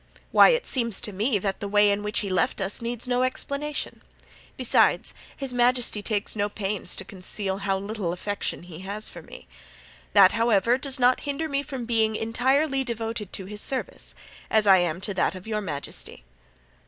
"Why, it seems to me that the way in which he left us needs no explanation. Besides, his majesty takes no pains to conceal how little affection he has for me. That, however, does not hinder me from being entirely devoted to his service, as I am to that of your majesty."